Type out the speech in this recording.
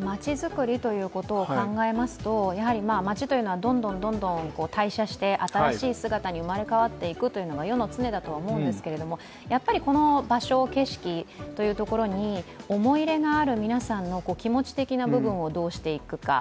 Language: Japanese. まちづくりということを考えますと、まちというのはどんどん代謝して新しい姿に生まれ変わっていくというのが世の常だと思うんですけどこの場所、景色というところに思い入れがある皆さんの気持ち的な部分をどうしていくか。